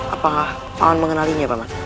apakah paman mengenalinya pak paman